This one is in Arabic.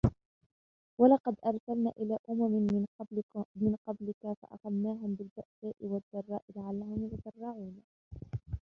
ولقد أرسلنا إلى أمم من قبلك فأخذناهم بالبأساء والضراء لعلهم يتضرعون